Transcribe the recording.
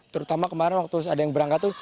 terutama kemarin waktu ada yang berangkat tuh